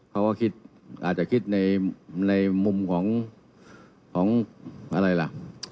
เขาก็คิดอาจจะคิดในมุมของอะไรล่ะ